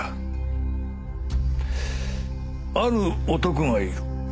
ある男がいる。